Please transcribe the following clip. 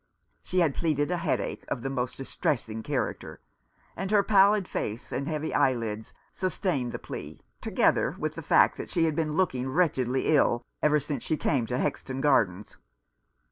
She had pleaded a headache of the most distressing character ; and her pallid face and heavy eyelids sustained the plea, together with the fact that she had been looking wretchedly ill ever since she came to Hexton Gardens.